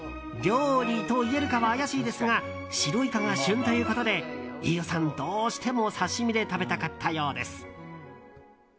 料理と言えるかは怪しいですが白イカが旬ということで飯尾さんどうしても刺し身で食べたかったようです。